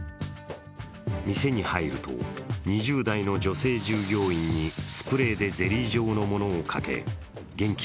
店に入ると、２０代の女性従業員にスプレーでゼリー状のものをかけ現金